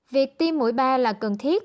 việc tiêm mũi ba là cần thiết